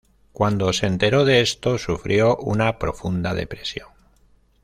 Cuando se enteró de esto sufrió una profunda depresión.